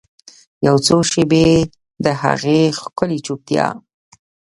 یوڅو شیبې د هغې ښکلې چوپتیا